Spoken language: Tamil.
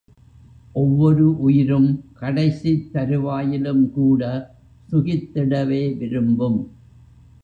ஒவ்வொரு உயிரும் கடைசித் தருவாயிலும் கூட சுகித்திடவே விரும்பும்.